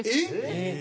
えっ？